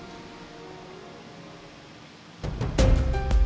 aku mau pulang dulu ya mas